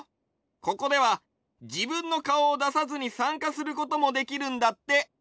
ここではじぶんのかおをださずにさんかすることもできるんだって。